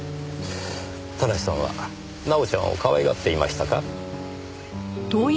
田無さんは奈緒ちゃんを可愛がっていましたか？